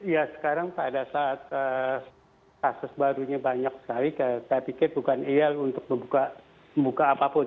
ya sekarang pada saat kasus barunya banyak sekali saya pikir bukan ideal untuk membuka apapun